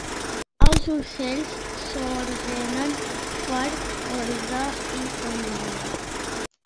Els ocells s'ordenen per ordre i família.